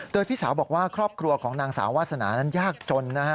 โดยพี่สาวบอกว่าครอบครัวของนางสาววาสนานั้นยากจนนะฮะ